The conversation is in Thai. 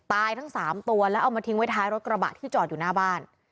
ทั้ง๓ตัวแล้วเอามาทิ้งไว้ท้ายรถกระบะที่จอดอยู่หน้าบ้าน